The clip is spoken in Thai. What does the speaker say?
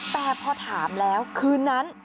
แต่พอถามแล้วคืนนั้น